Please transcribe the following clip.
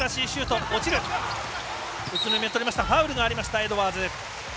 ファウルがありましたエドワーズ。